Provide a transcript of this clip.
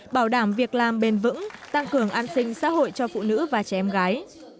bảo đảm việc làm bền vững tăng cường an sinh xã hội cho phụ nữ và trẻ em gái